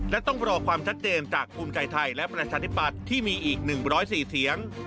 และต้องรอความชัดเจนจากภูมิใจไทยและประชาธิปัตย์ที่มีอีก๑๐๔เสียง